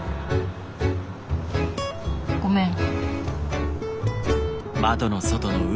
ごめん。